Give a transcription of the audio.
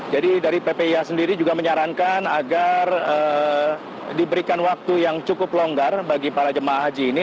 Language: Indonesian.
jadi dari ppih sendiri juga menyarankan agar diberikan waktu yang cukup longgar bagi para jemaah haji ini